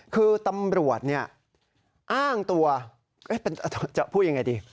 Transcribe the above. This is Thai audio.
คือตำรวจอ้างตัวจะพูดยังไงดี